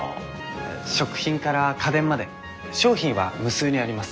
食品から家電まで商品は無数にあります。